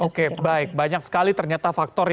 oke baik banyak sekali ternyata faktor